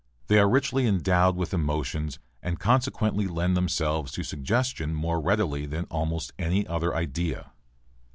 They are richly endowed with emotions and consequently lend themselves to suggestion more readily than almost any other idea.